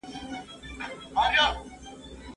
هغه استاد چي وخت نه ورکوي شاګردان ځيني خفه کېږي.